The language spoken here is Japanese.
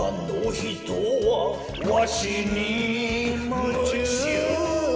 「わしにむちゅうさ！」